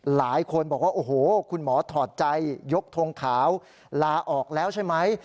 หลายคนบอกว่าโอ้โหคุณหมอถอดใจยกทงขาวลาออกแล้วใช่ไหม